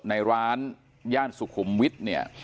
ในร้านย่านสุขุมวิทย์เนี่ย